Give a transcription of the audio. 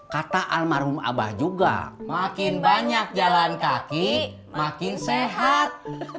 kata almarhum abah juga makin banyak jalan kaki makin sehat